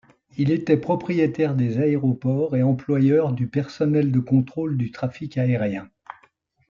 Il était propriétaires des aéroports et employeur du personnel de contrôle du trafic aérien.